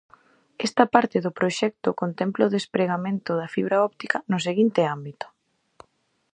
Esta parte do proxecto contempla o despregamento da fibra óptica no seguinte ámbito: